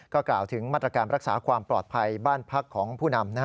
ก็กล่าวถึงมาตรการรักษาความปลอดภัยบ้านพักของผู้นำ